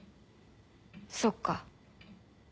そっか。